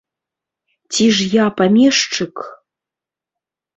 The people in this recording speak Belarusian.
Ці ж я памешчык?